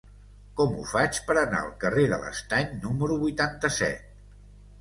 Com ho faig per anar al carrer de l'Estany número vuitanta-set?